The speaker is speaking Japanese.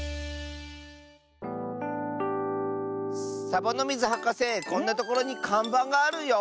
サボノミズはかせこんなところにかんばんがあるよ。